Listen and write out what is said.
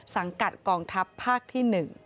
สังกัดกองทัพภาคที่๑